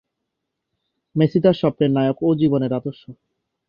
Messi তার স্বপ্নের নায়ক ও জীবনের আদর্শ।